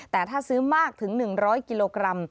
แต่ถ้าซื้อมากถึง๑๐๐กิโลกรัม